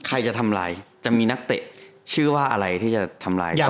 ใครจะทำลายจะมีนักเตะชื่อว่าอะไรที่จะทำลายเรา